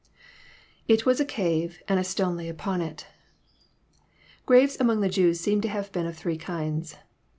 IR VHJL8 a car«, and a ttone lay upon U.'} Graves among the Jews seem to have been of three kinds.